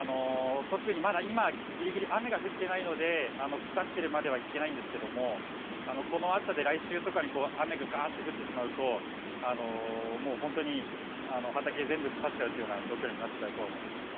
特にまだ、今、ぎりぎり雨が降ってないので、腐ってるまではいってないんですけれども、この暑さで、来週とかに雨ががーって降ってしまうと、もう本当に畑全部、腐っちゃうっていうような状況になっちゃうと思います。